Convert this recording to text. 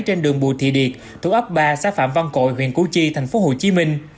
trên đường bùi thị điệt thuộc ấp ba xã phạm văn cội huyện củ chi thành phố hồ chí minh